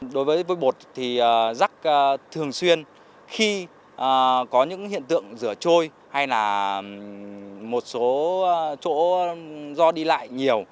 đối với vôi bột thì rác thường xuyên khi có những hiện tượng rửa trôi hay là một số chỗ do đi lại nhiều